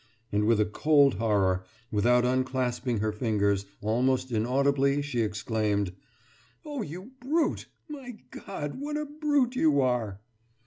And with a cold horror, without unclasping her fingers, almost inaudibly she exclaimed: »Oh, you brute! My God, what a brute you are!